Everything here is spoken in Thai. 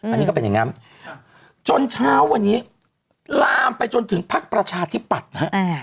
อันนี้ก็เป็นอย่างนั้นจนเช้าวันนี้ลามไปจนถึงพักประชาธิปัตย์ฮะ